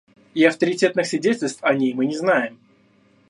И авторитетных свидетельств о ней мы не знаем.